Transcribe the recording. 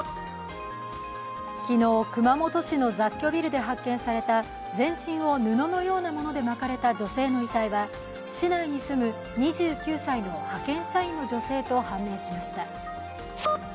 昨日、熊本市の雑居ビルで発見された全身を布のようなもので巻かれた女性の遺体は市内に住む２９歳の派遣社員の女性と判明しました。